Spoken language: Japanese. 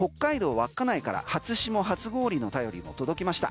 ・稚内から初霜、初氷の便りも届きました。